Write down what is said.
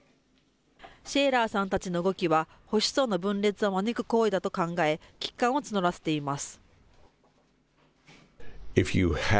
シェーラーさんたちの動きは、保守層の分裂を招く行為だと考え、危機感を募らせています。